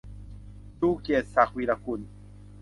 ชูเกียรติ ศักดิ์วีระกุล